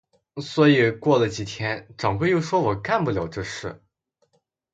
所以过了几天，掌柜又说我干不了这事。